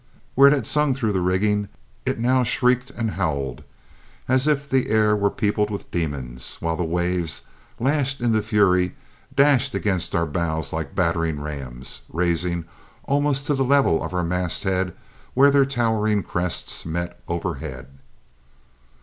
Where it had sung through the rigging it now shrieked and howled, as if the air were peopled with demons, while the waves, lashed into fury, dashed against our bows like battering rams, rising almost to the level of our masthead where their towering crests met overhead.